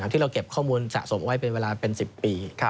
ที่เราเก็บข้อมูลสะสมไว้เป็นเวลาเป็น๑๐ปี